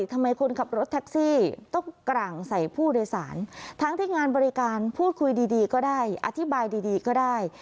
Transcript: ทำไมคนขับรถแท็กซี่ต้องกร่างใส่ผู้โดยสารทั้งที่งานบริการพูดคุยดีก็ได้